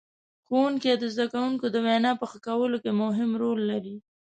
ښوونکي د زدهکوونکو د وینا په ښه کولو کې مهم رول لري.